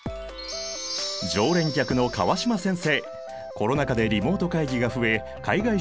常連客の川島先生。